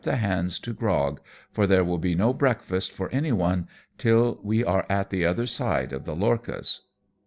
the hands to grog, for there will be no breakfast for any one till we are at the other side of the lorchas."